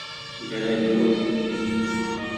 گهري جو